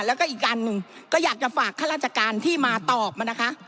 แล้วก็อีกอันหนึ่งก็อยากจะฝากข้าราชการที่มาตอบมานะคะ